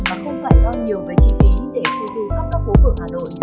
mà không phải lo nhiều về chi phí để truy du khắp các phố phường hà nội